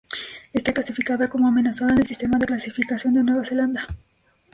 Está clasificada como amenazada en el sistema de Clasificación de Nueva Zelanda.